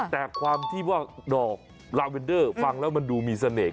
แต่ความที่ว่าดอกลาเวนเดอร์ฟังแล้วมันดูมีเสน่ห